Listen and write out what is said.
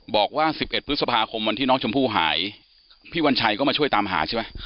บอกว่า๑๑พฤษภาคมวันที่น้องชมพู่หายพี่วัญชัยก็มาช่วยตามหาใช่ไหม